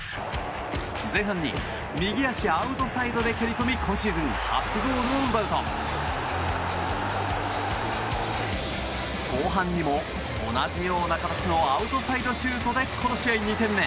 前半に右足アウトサイドで蹴り込み今シーズン初ゴールを奪うと後半にも同じような形のアウトサイドシュートでこの試合２点目。